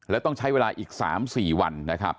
และต้องใช้เวลาอีก๓๔วัน